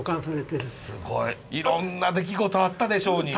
いろんな出来事あったでしょうに。